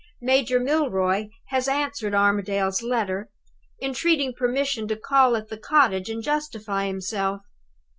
"Major Milroy has answered Armadale's letter, entreating permission to call at the cottage and justify himself.